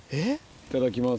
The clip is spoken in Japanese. いただきます。